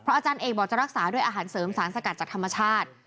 อาจารย์เอกบอกจะรักษาด้วยอาหารเสริมสารสกัดจากธรรมชาติ